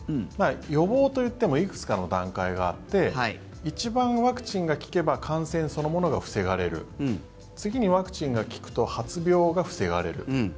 予防といってもいくつかの段階があって一番ワクチンが効けば感染そのものが防がれる次にワクチンが効くと発病が防がれる。